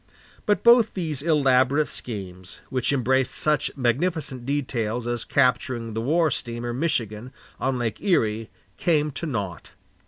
But both these elaborate schemes, which embraced such magnificent details as capturing the war steamer Michigan on Lake Erie, came to naught.